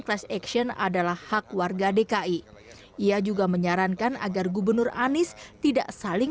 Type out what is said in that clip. class action adalah hak warga dki ia juga menyarankan agar gubernur anies tidak saling